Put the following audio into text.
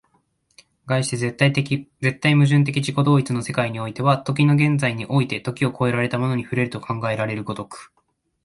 而して絶対矛盾的自己同一の世界においては、時の現在において時を越えたものに触れると考えられる如く、